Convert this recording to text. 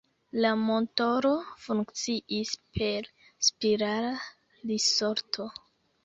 La motoro funkciis per spirala risorto.